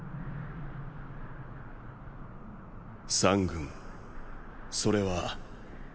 三軍それはーー。